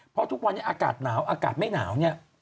เพราะทุกวันนี้อากาศหนาวอากาศไม่หนาวเนี่ย